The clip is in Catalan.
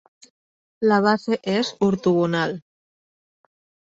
La base és ortogonal.